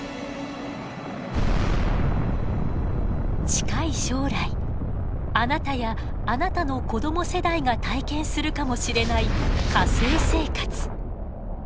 近い将来あなたやあなたの子供世代が体験するかもしれない火星生活。